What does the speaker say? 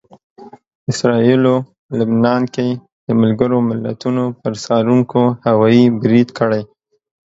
اسراییلو لبنان کې د ملګرو ملتونو پر څارونکو هوايي برید کړی